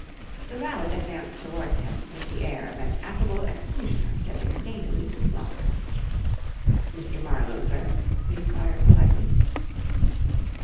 The valet advanced towards him with the air of an affable executioner stepping daintily to the block. "Mr. Marlowe, sir?" he inquired politely.